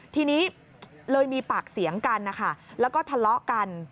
ทีนี้เลยมีปากเสียงกันนะคะแล้วก็ทะเลาะกัน